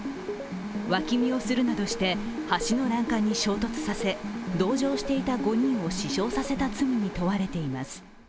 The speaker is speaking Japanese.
脇見をするなどして橋の欄干に衝突させ、同乗していた５人を死傷させた罪に問われています。